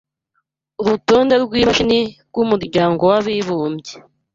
Urutonde rw'ishami ry'umuryango w'abibumbye